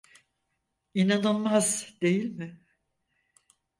İnanılmaz, değil mi?